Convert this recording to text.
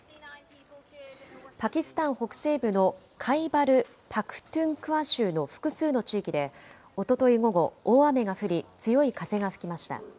パキスタン北西部のカイバル・パクトゥンクワ州の複数の地域でおととい午後、大雨が降り、強い風が吹きました。